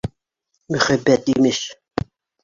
Мөхәббәт, имеш.